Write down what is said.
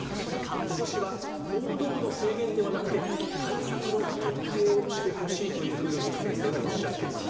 今年は行動の制限ではなくて対策の徹底をしてほしいと二木先生はおっしゃってます。